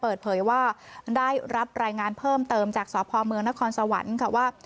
เปิดเผยว่าได้รับรายงานเพิ่มเติมจากสพเมืองนครสวรรค์ค่ะว่า